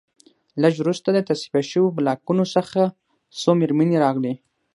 لږ وروسته د تصفیه شویو بلاکونو څخه څو مېرمنې راغلې